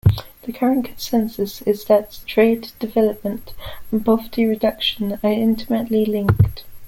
The current consensus is that trade, development, and poverty reduction are intimately linked.